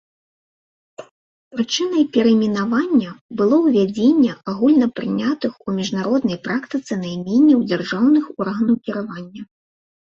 Прычынай перайменавання было ўвядзенне агульнапрынятых у міжнароднай практыцы найменняў дзяржаўных органаў кіравання.